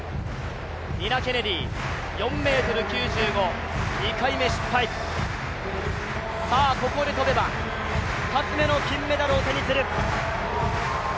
ニナ・ケネディ、４ｍ９５ｃｍ２回目失敗、ここで跳べば２つめの金メダルを手にする。